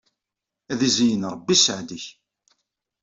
Ad izeyyen Ṛebbi sseɛd-nnek.